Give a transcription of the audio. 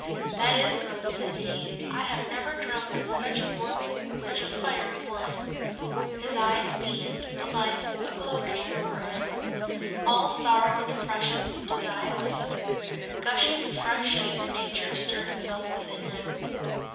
"That is good," said he, "I have never drunk such a warming, such a fiery wine!" His eyes beamed, a life, a glow came over him; all sorrow and oppression seemed to die away; gushing, fresh human nature stirred itself within him.